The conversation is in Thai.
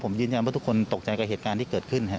ผมยืนยันว่าทุกคนตกใจกับเหตุการณ์ที่เกิดขึ้นครับ